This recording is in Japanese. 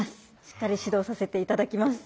しっかり指導させて頂きます。